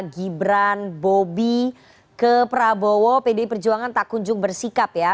gibran bobi ke prabowo pdi perjuangan tak kunjung bersikap ya